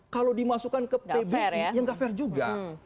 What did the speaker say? kalau dimasukkan ke pbb ya nggak fair juga